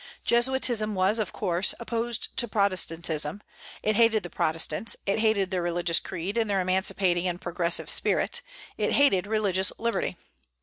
Jesuitism was, of course, opposed to Protestantism; it hated the Protestants; it hated their religious creed and their emancipating and progressive spirit; it hated religious liberty.